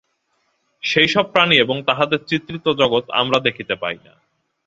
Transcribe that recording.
সেই-সব প্রাণী এবং তাহাদের চিত্রিত জগৎ আমরা দেখিতে পাই না।